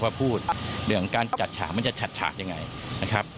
พอพูดเรื่องการจัดฉากมันจะฉัดฉากอย่างไรนะครับ